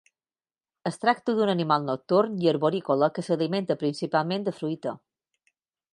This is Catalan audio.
Es tracta d'un animal nocturn i arborícola que s'alimenta principalment de fruita.